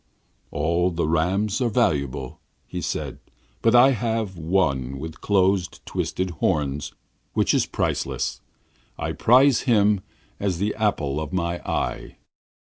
'All the rams are valuable,' said he, 'but I have one with closely twisted horns, which is priceless. I prize him as the apple of my eye.'